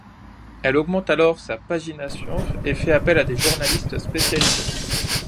Elle augmente alors sa pagination et fait appel à des journalistes spécialisés.